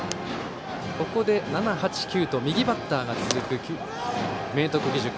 ここで７、８、９と右バッターが続く明徳義塾。